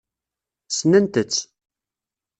Ssnent-tt.